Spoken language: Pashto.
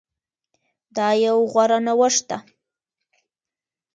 دا يو غوره نوښت ده